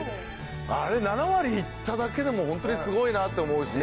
あれ７割行っただけでもホントにすごいなって思うし。